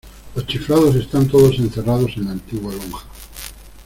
Los chiflados están todos encerrados en la antigua lonja.